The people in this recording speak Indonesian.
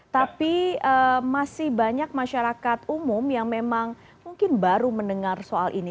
tapi masih banyak masyarakat umum yang memang mungkin baru mendengar soal ini